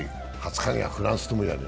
２０日はフランスともやる。